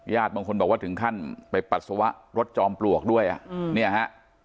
บางคนบอกว่าถึงขั้นไปปัสสาวะรถจอมปลวกด้วยอ่ะเนี่ยฮะ